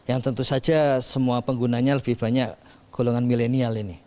yang tentu saja semua penggunanya lebih banyak golongan milenial ini